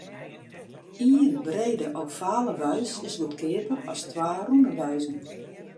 Ien brede ovale buis is goedkeaper as twa rûne buizen.